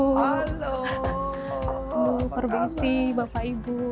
halo permisi bapak ibu